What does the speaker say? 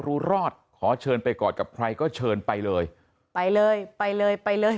รู้รอดขอเชิญไปกอดกับใครก็เชิญไปเลยไปเลยไปเลยไปเลย